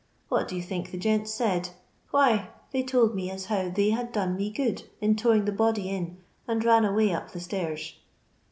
What do you think the gents said 1 — why, they told me as how they had done me good, in towin' the body in, and ran away up the stairs.